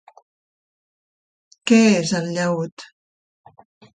Què és el llaüt?